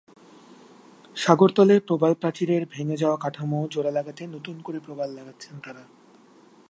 সাগরতলে প্রবালপ্রাচীরের ভেঙে যাওয়া কাঠামো জোড়া লাগাতে নতুন করে প্রবাল লাগাচ্ছেন তাঁরা।